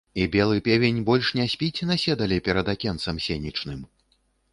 І белы певень больш не спіць на седале перад акенцам сенечным?